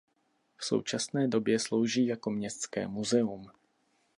V současné době slouží jako městské muzeum.